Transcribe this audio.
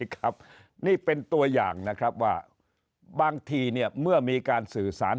ครับนี่เป็นตัวอย่างนะครับว่าบางทีเนี่ยเมื่อมีการสื่อสาร